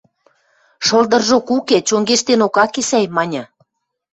Шылдыржок уке, чонгештенок ак ке сӓй, – маньы.